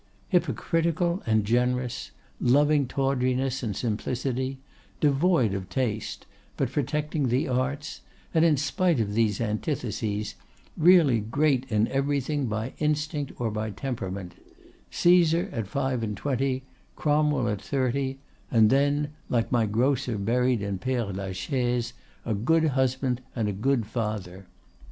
Hypocritical and generous; loving tawdriness and simplicity; devoid of taste, but protecting the arts; and in spite of these antitheses, really great in everything by instinct or by temperament; Caesar at five and twenty, Cromwell at thirty; and then, like my grocer buried in Père Lachaise, a good husband and a good father.